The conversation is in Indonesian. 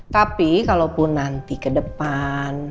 tapi kalaupun nanti ke depan